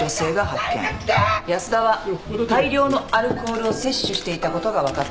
安田は大量のアルコールを摂取していたことが分かっている。